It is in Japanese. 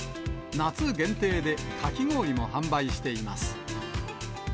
夏限定でかき氷も販売しています。